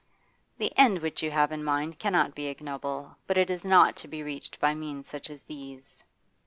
'The end which you have in mind cannot be ignoble. But it is not to be reached by means such as these.